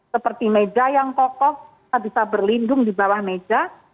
seperti meja yang kokoh kita bisa berlindung di bawah meja